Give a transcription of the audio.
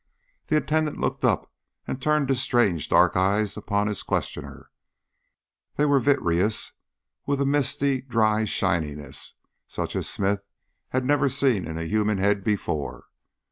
The attendant looked up and turned his strange dark eyes upon his questioner. They were vitreous, with a misty dry shininess, such as Smith had never seen in a human head before.